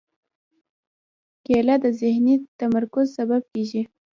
کېله د ذهني تمرکز سبب کېږي.